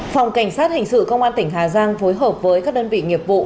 phòng cảnh sát hình sự công an tỉnh hà giang phối hợp với các đơn vị nghiệp vụ